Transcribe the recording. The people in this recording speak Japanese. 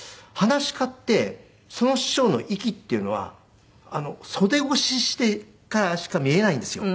噺家ってその師匠の粋っていうのは袖越しからしか見れないんですよ。